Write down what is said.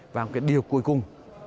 và một cái điều cuối cùng